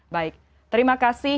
baik terima kasih